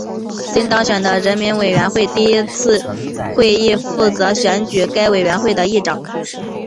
新当选的人民委员会第一次会议负责选举该委员会的议长。